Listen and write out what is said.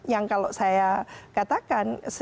yang kalau saya katakan